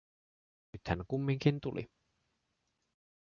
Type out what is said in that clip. Nyt hän kumminkin tuli.